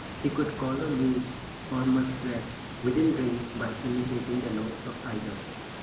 He could call a moose or muskrat within range, by imitating the notes of either.